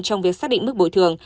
trong việc xác định mức bồi thường